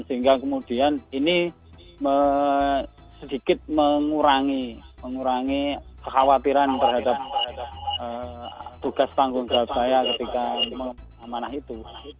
sehingga kemudian ini sedikit mengurangi kekhawatiran terhadap tugas tanggung jawab saya ketika amanah itu